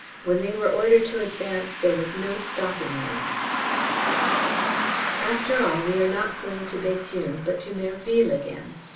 When they were ordered to advance there was no stopping them." After all we are not going to Béthune but to Merville again.